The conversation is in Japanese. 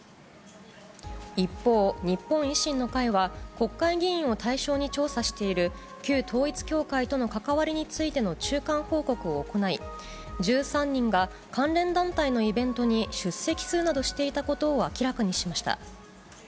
一方、日本維新の会は、国会議員を対象に調査している、旧統一教会との関わりについての中間報告を行い、１３人が関連団体のイベントに出席するなどしていたことを明らかにしました。